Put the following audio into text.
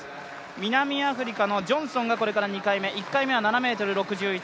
南アフリカのジョンソンがこれから２回目、１回目は７ｍ６１。